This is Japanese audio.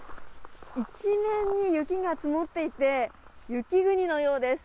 一面に雪が積もっていて、雪国のようです。